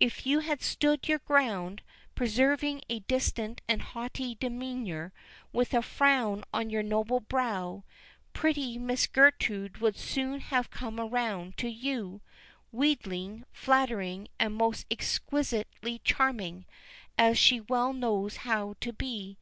If you had stood your ground, preserving a distant and haughty demeanour, with a frown on your noble brow, pretty Miss Gertrude would soon have come around to you, wheedling, flattering, and most exquisitely charming, as she well knows how to be.